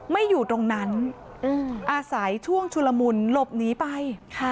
ไม่อยู่ตรงนั้นอาศัยช่วงชุลมุนหลบหนีไป